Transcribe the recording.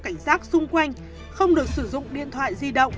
cảnh giác xung quanh không được sử dụng điện thoại di động